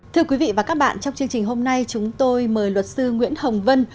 thưa quý vị và các bạn trong chương trình hôm nay chúng tôi mời luật sư nguyễn hồng vân